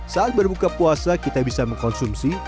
saat berbuka puasa kita bisa mengkonsumsi